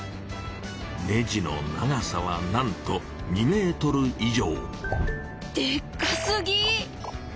ネジの長さはなんと２ｍ以上。